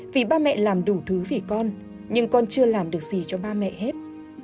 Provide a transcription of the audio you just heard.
vì ba mẹ làm đủ thứ vì con nhưng con chưa làm được gì cho ba mẹ hết